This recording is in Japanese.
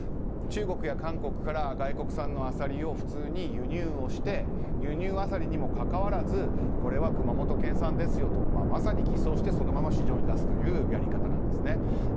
中国や韓国から外国産のアサリを普通に輸入をして輸入アサリにもかかわらずこれは熊本県産ですよとまさに偽装してそのまま市場に出すというやり方なんですね。